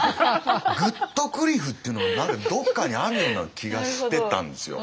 グットクリフっていうのが何かどっかにあるような気がしてたんですよ。